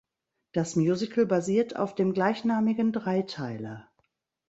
Das Musical basiert auf dem gleichnamigen Dreiteiler.